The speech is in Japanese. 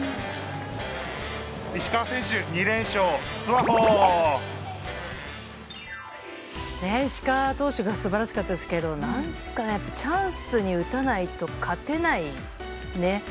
石川投手が素晴らしかったですけどチャンスに打たないと勝てないね。